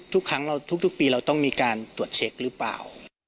ทุกครั้งเราทุกปีเราต้องมีการตรวจเช็คหรือเปล่า